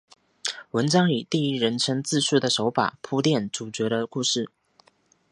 文章以第一人称自叙的手法铺陈主角的故事。